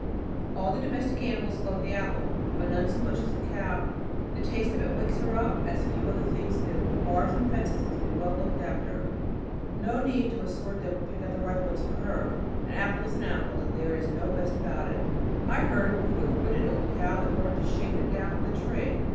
All the domestic animals love the apple, but none so much so as the cow. The taste of it wakes her up as few other things do, and bars and fences must be well looked after. No need to assort them or pick out the ripe ones for her. An apple is an apple, and there is no best about it. I heard of a quick witted old cow that learned to shake them down from the tree.